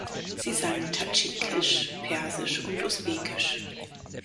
Sie sang tadschikisch, persisch und usbekisch.